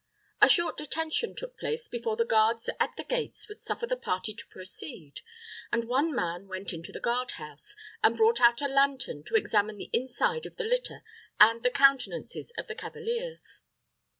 A short detention took place before the guards at the gates would suffer the party to proceed, and one man went into the guardhouse, and brought out a lantern to examine the inside of the litter and the countenances of the cavaliers.